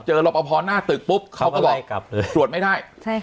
เจอรอปภอห์หน้าตึกปุ๊บเขาก็บอกกลับเลยสวดไม่ได้ใช่ค่ะ